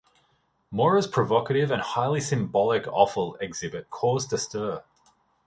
Mora's provocative and highly symbolic offal exhibit caused a stir.